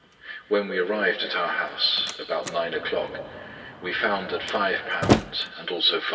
"When we arrived at our house, about nine o'clock, we found that £5 and also 5s.